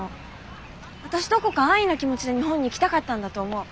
私どこか安易な気持ちで日本に行きたかったんだと思う。